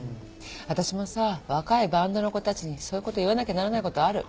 私もさ若いバンドの子たちにそういうこと言わなきゃならないことある。